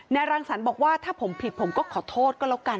รังสรรค์บอกว่าถ้าผมผิดผมก็ขอโทษก็แล้วกัน